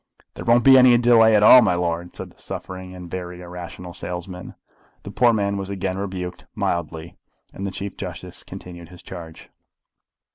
"There won't be any delay at all, my lord," said the suffering and very irrational salesman. The poor man was again rebuked, mildly, and the Chief Justice continued his charge.